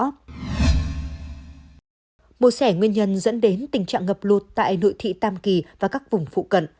mùa sẻ nguyên nhân dẫn đến tình trạng ngập lụt tại nội thị tam kỳ và các vùng phụ cận